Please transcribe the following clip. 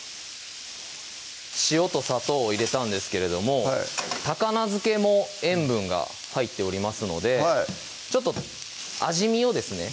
塩と砂糖を入れたんですけれども高菜漬けも塩分が入っておりますのでちょっと味見をですね